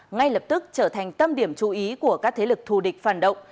ngay lập tức trở thành tâm điểm chú ý của các thế lực thù địch phản động